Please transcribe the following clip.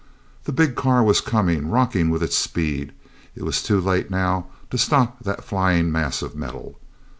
The big car was coming, rocking with its speed; it was too late now to stop that flying mass of metal.